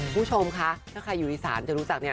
ผู้ชมคะถ้าใครอยู่อีสานจะรู้จัก